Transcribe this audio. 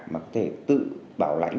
mà có thể tự bảo lãnh